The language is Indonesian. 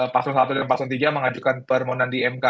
pasro i dan pasro iii mengajukan permohonan di mk